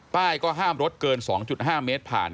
ป้ายก็ห้ามรถเกิน๒๕เมตรผ่าน